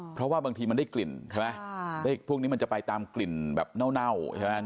เพราะว่าบางทีมันได้กลิ่นใช่ไหมพวกนี้มันจะไปตามกลิ่นแบบเน่าใช่ไหม